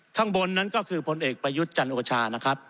ข้างบนนั้นก็คือพลเอกประยุทธ์จันโอชานะครับ